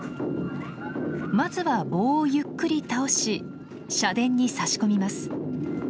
まずは棒をゆっくり倒し社殿に差し込みます。